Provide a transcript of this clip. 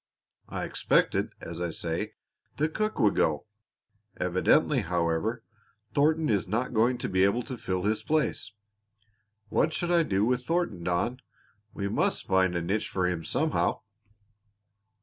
I expected, as I say, that Cook would go; evidently, however, Thornton is not going to be able to fill his place. What shall I do with Thornton, Don? We must find a niche for him somehow."